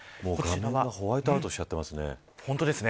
ホワイトアウトしちゃってますね。